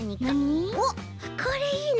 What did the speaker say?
おっこれいいな。